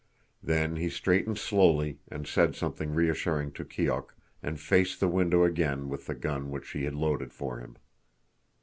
Then he straightened slowly and said something reassuring to Keok, and faced the window again with the gun which she had loaded for him.